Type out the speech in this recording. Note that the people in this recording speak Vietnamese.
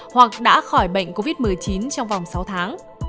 hoặc đã khỏi bệnh covid một mươi chín trong vòng sáu tháng